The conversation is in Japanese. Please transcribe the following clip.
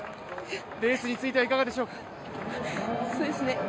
レースについてはいかがでしょうか？